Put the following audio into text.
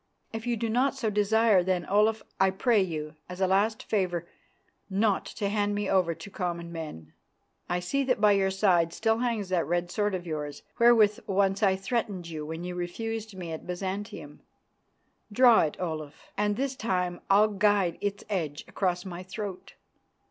If you do not so desire, then, Olaf, I pray you as a last favour not to hand me over to common men. I see that by your side still hangs that red sword of yours wherewith once I threatened you when you refused me at Byzantium. Draw it, Olaf, and this time I'll guide its edge across my throat.